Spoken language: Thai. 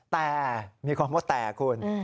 แต่มีความว่าแตกคุณ